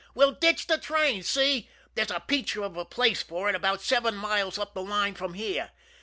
We ditch the train see? There's a peach of a place for it about seven miles up the line from here.